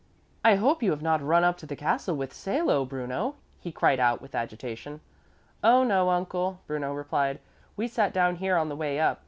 "I hope you have not run up to the castle with Salo, Bruno," he cried out with agitation. "Oh, no, uncle," Bruno replied, "we sat down here on the way up.